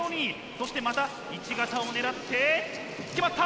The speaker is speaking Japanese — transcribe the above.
そしてまた１型を狙って決まった！